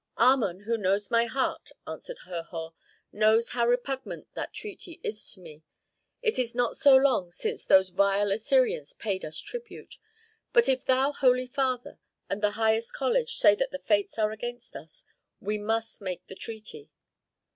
"Amon, who knows my heart," answered Herhor, "knows how repugnant that treaty is to me. It is not so long since those vile Assyrians paid us tribute. But if thou, holy father, and the highest college say that the fates are against us, we must make the treaty."